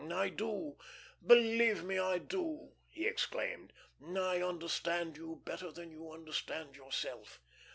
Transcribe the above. "I do, believe me, I do," he exclaimed. "I understand you better than you understand yourself."